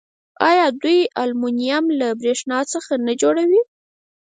آیا دوی المونیم له بریښنا څخه نه جوړوي؟